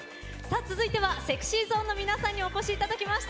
続いてはＳｅｘｙＺｏｎｅの皆さんにお越しいただきました。